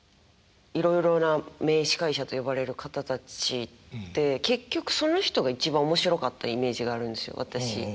いろいろな名司会者と呼ばれる方たちって結局その人が一番面白かったイメージがあるんですよ私。